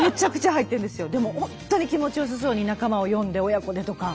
でも本当に気持ちよさそうに仲間を呼んで親子でとか。